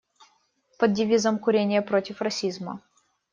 Под девизом: «Курение против расизма».